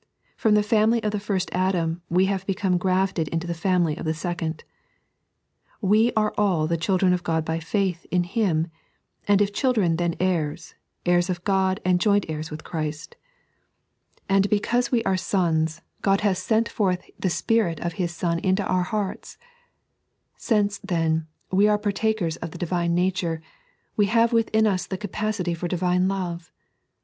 From the family of the first Adam, we have become grafted into the family of the Second. We are all the children of Ood by faith in Him, and if children then heirs, heirs of Ood, and jcdnt heirs with Christ. And because we are 3.n.iized by Google God's Impartial Love. 93 sons, God bath sent forth the Spirit of TTi« Son into our he&rta. Since, then, we are partakers of the Divine nature, we have within us the capacity for Divine Love.